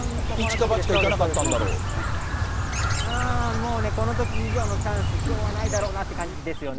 もうね、このとき以上のチャンス、きょうはないだろうなっていう感じですよね。